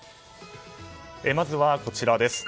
まずはこちらです。